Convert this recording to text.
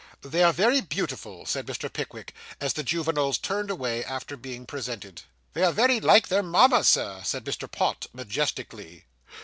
'They are very beautiful,' said Mr. Pickwick, as the juveniles turned away, after being presented. 'They are very like their mamma, Sir,' said Mr. Pott, majestically.